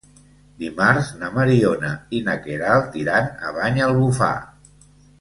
Dimarts na Mariona i na Queralt iran a Banyalbufar.